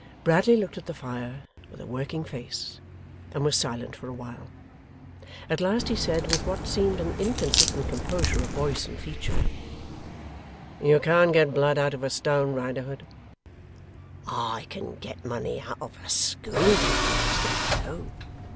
Bradley looked at the fire, with a working face, and was silent for a while. At last he said, with what seemed an inconsistent composure of voice and feature: 'You can't get blood out of a stone, Riderhood.' 'I can get money out of a schoolmaster though.